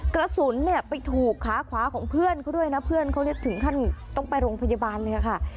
กระสุนเนี่ยไปถูกขาขวาของเพื่อนเขาด้วยนะเพื่อนเขาถึงขั้นต้องไปโรงพยาบาลเลยค่ะ